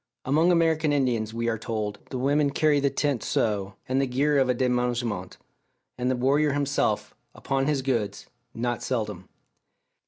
Among American Indians, we are told, the women carry the tent so, and the gear of a demenagement, and the warrior himself, upon his goods, not seldom.